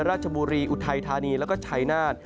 ราชบุรีอุดไทยทานีและชัยนาธ